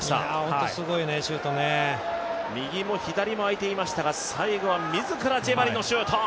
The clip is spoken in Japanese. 右も左も空いていましたが最後は自らジェバリのシュート。